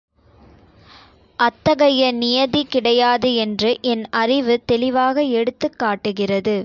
அத்தகைய நியதி கிடையாது என்று என் அறிவு தெளிவாக எடுத்துக் காட்டுகிறது.